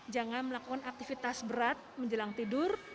jangan melakukan aktivitas berat menjelang tidur